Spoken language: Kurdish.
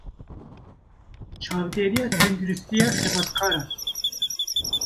Çavdêriya Tenduristiya Xebatkaran